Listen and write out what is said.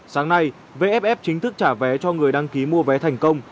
sáng nay vff chính thức trả vé cho người đăng ký mua vé thành công